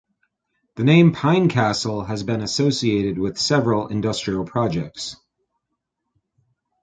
The name "Pine Castle" has been associated with several industrial projects.